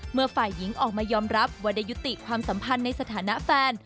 ฝ่ายหญิงออกมายอมรับว่าได้ยุติความสัมพันธ์ในสถานะแฟน